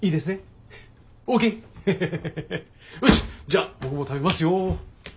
じゃあ僕も食べますよ。